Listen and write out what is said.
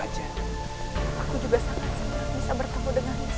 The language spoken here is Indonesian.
aku juga sangat senang bisa bertemu dengannya